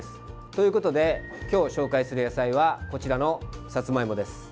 ということで今日紹介する野菜はこちらのさつまいもです。